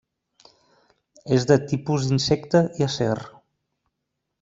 És de tipus insecte i acer.